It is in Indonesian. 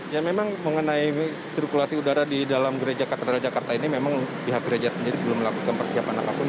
ya memang mengenai sirkulasi udara di dalam gereja katedral jakarta ini memang pihak gereja sendiri belum melakukan persiapan apapun